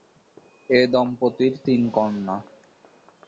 এ দম্পতির তিন কন্যা।